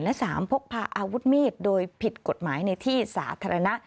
และ๓พกพาอาวุธมีดโดยผิดกฎหมายในที่สาธารณะ